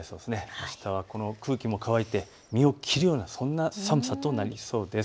あしたはこの空気も乾いて身を切るような、そんな寒さとなりそうです。